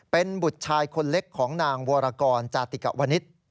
เป็นบุตรชายคนเล็กของนางวรกรจาติกะวนิษฐ์